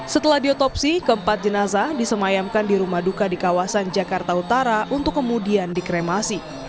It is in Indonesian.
setelah diotopsi keempat jenazah disemayamkan di rumah duka di kawasan jakarta utara untuk kemudian dikremasi